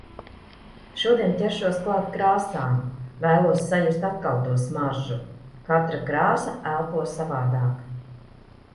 Šodien ķeršos klāt krāsām. Vēlos sajust atkal to smaržu. Katra kāsa elpo savādāk.